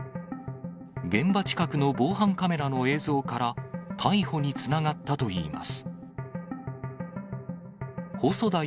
現場近くの防犯カメラの映像から、逮捕につながったといいます。